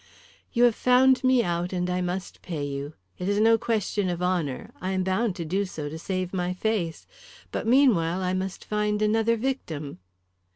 "You have found me out and I must pay you. It is no question of honour, I am bound to do so to save my face. But meanwhile I must find another victim."